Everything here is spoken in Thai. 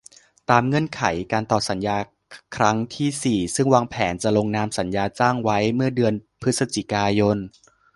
ตามเงื่อนไขการต่อสัญญาครั้งที่ สี่ ซึ่งวางแผนจะลงนามสัญญาจ้างไว้เมื่อเดือนพฤศจิกายน